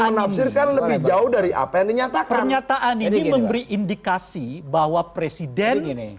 menafsirkan lebih jauh dari apa yang dinyatakan nyata angin memberi indikasi bahwa presiden ini